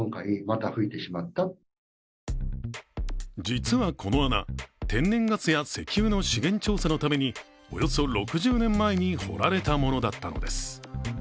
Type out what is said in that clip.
実は、この穴、天然ガスや石油の資源調査のためにおよそ６０年前に掘られたものだったのです。